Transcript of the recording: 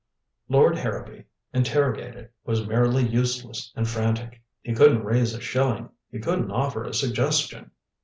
Lord Harrowby, interrogated, was merely useless and frantic. He couldn't raise a shilling. He couldn't offer a suggestion.